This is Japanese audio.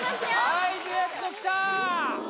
はいデュエットきた！